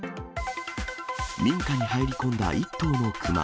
民家に入り込んだ一頭の熊。